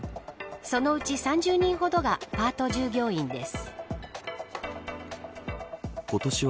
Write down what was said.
そのうち３０人ほどがパート従業員です。